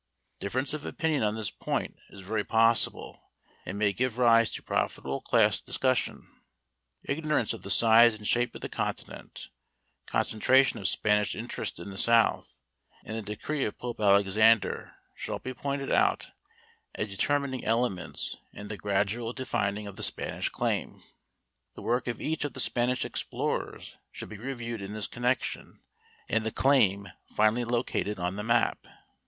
Difference of opinion on this point is very possible and may give rise to profitable class discussion. Ignorance of the size and shape of the continent, concentration of Spanish interest in the south, and the decree of Pope Alexander should all be pointed out as determining elements in the gradual defining of the Spanish claim. The work of each of the Spanish explorers should be reviewed in this connection, and the claim finally located on the map.